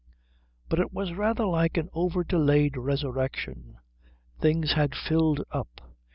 But it was rather like an over delayed resurrection. Things had filled up.